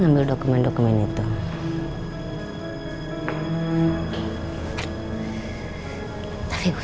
ngebuktiin semuanya kan